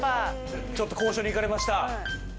ちょっと交渉に行かれました。